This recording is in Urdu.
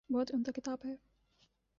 بہت عمدہ کتاب ہے۔